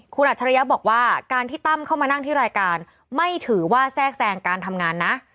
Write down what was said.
คุณอัจฉริยะบอกว่าการที่ตั้มเข้ามานั่งที่รายการไม่ถือว่าแทรกแทรงการทำงานนะ